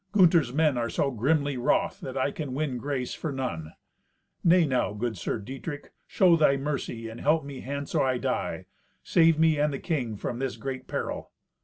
Gunther's men are so grimly wroth that I can win grace for none." "Nay now, good Sir Dietrich, show thy mercy, and help me hence or I die. Save me and the king from this great peril."